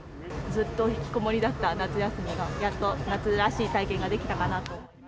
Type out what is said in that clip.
ずっと引きこもりだった夏休みが、やっと夏らしい体験ができたかなと。